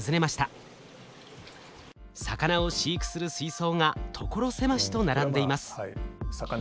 魚を飼育する水槽が所狭しと並んでいます。